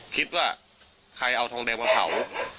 คิดว่าใครเอาทองแดงมาเผา